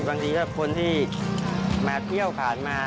บางทีถ้าคนที่มาเที่ยวผ่านมา